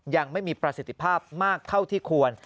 ยังไม่มีประสิทธิภาพมากเท่าที่ควร